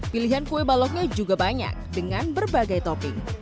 pilihan kue baloknya juga banyak dengan berbagai topping